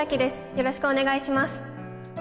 よろしくお願いします